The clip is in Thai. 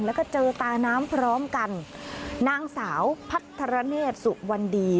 แล้วก็เจอตาน้ำพร้อมกันนางสาวพัทรเนศสุวรรณดี